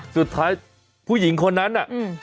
สุดท้ายผู้หญิงคนนั้นน่ะ